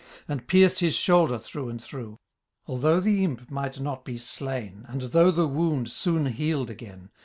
And pierced his shoulder through and through. Although the imp might not be slain. And though the wound soon healed again.